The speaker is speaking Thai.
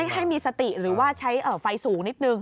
ให้มีสติหรือว่าใช้ไฟสูงนิดนึง